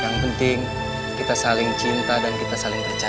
yang penting kita saling cinta dan kita saling percaya